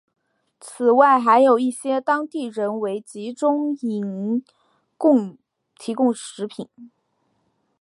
此外还有一些当地人为集中营提供食品。